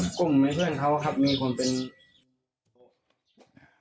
กลุ่มในเพื่อนเขาครับมีคนเป็นอ่า